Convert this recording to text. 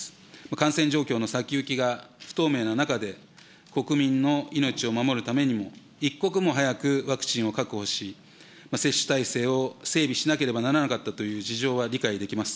感染状況の先行きが不透明な中で、国民の命を守るためにも、一刻も早くワクチンを確保し、接種体制を整備しなければならなかったという事情は理解できます。